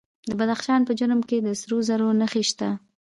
د بدخشان په جرم کې د سرو زرو نښې شته.